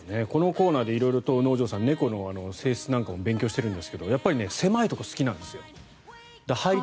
このコーナーで色々と能條さん、猫の性質なんかも勉強しているんですがやっぱり狭いところが好きなんですよ。